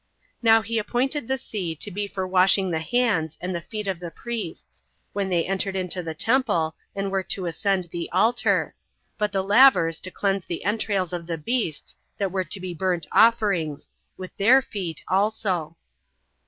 Now he appointed the sea to be for washing the hands and the feet of the priests, when they entered into the temple and were to ascend the altar, but the lavers to cleanse the entrails of the beasts that were to be burnt offerings, with their feet also.